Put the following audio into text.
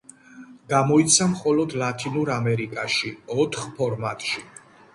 გამოიცა მხოლოდ ლათინურ ამერიკაში ოთხ ფორმატში.